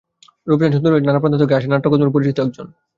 রূপচান সুন্দরী হয়ে যান নানা প্রান্ত থেকে আসা নাট্যকর্মীদের পরিচিত একজন।